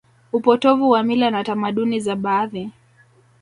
upotovu wa mila na tamaduni za baadhi